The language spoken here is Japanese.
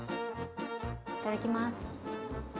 いただきます！